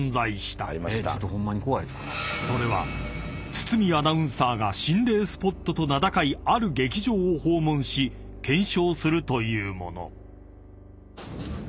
［それは堤アナウンサーが心霊スポットと名高いある劇場を訪問し検証するというもの］